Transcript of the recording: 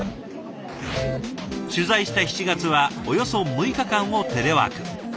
取材した７月はおよそ６日間をテレワーク。